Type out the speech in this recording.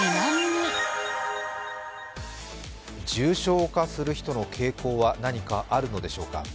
重症化する人の傾向は何かあるのでしょうか。